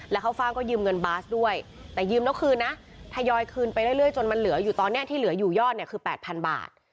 แล้วข้าวฟ่างก็ยืมเงินบาสด้วยแต่ยืมแล้วคืนนะทยอยคืนไปเรื่อยจนมันเหลืออยู่ตอนนี้ที่เหลืออยู่ยอดเนี่ยคือ๘๐๐๐บาท